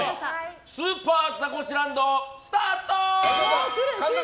スーパーザコシランドスタート！